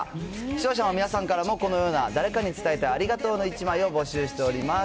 視聴者の皆さんからも、このような誰かに伝えたいありがとうの１枚を募集しております。